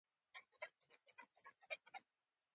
صداقت در وښیم.